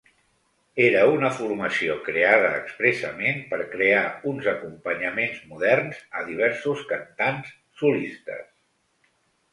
Era una formació creada expressament per crear uns acompanyaments moderns a diversos cantants solistes.